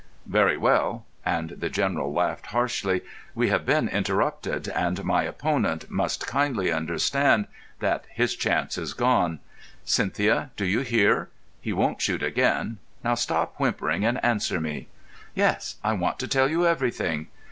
"Very well," and the General laughed harshly. "We have been interrupted, and my opponent must kindly understand that his chance is gone. Cynthia, do you hear? He won't shoot again. Now, stop whimpering, and answer me." "Yes, I want to tell you everything."